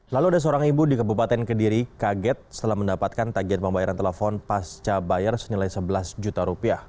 lalu ada seorang ibu di kabupaten kediri kaget setelah mendapatkan tagian pembayaran telepon pasca bayar senilai sebelas juta rupiah